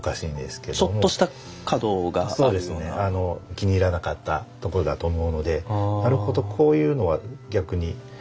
気に入らなかったところだと思うのでなるほどこういうのは逆に駄目だなと。